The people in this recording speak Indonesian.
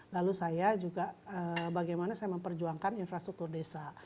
lalu saya juga bagaimana saya memperjuangkan infrastruktur desa